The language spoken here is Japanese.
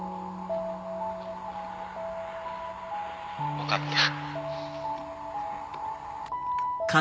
分かった。